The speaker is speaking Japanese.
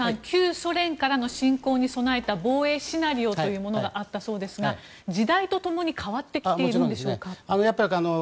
旧ソ連からの侵攻に備えた防衛シナリオというものがあったそうですが時代とともに変わってきているんでしょうか。